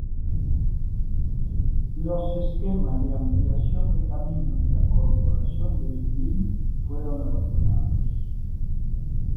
Los esquemas de ampliación de caminos de la Corporación de Dublín fueron abandonados.